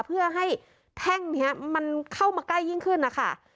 เพื่อให้แท่งนี้มันเข้ามาใกล้ยิ่งขึ้นนะคะ